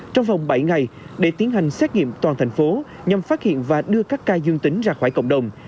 trong vòng bảy ngày để tiến hành xét nghiệm toàn thành phố nhằm phát hiện và đưa các ca dương tính ra khỏi cộng đồng